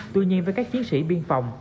tuy nhiên với các chiến sĩ biên phòng